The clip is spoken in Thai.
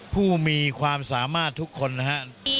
ผู้มีความสามารถทุกคนนะฮะ